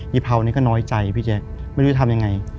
เผานี่ก็น้อยใจพี่แจ๊คไม่รู้จะทำยังไง